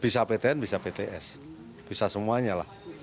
bisa ptn bisa pts bisa semuanya lah